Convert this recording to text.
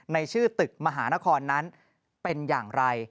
ในชื่อตึกมหานครนั้นเป็นอย่างไร